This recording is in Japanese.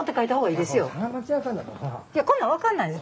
いやこんなん分かんないです。